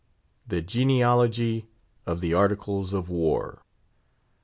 THE GENEALOGY OF THE ARTICLES OF WAR.